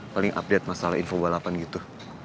paling update masalah info balapan gitu